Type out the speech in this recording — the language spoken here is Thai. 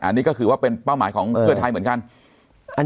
อันนี้ก็คือว่าเป็นเป้าหมายของเพื่อไทยเหมือนกัน